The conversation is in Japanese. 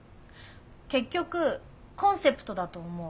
結局コンセプトだと思う。